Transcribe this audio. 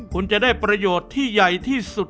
คุณจะได้ประโยชน์ที่ใหญ่ที่สุด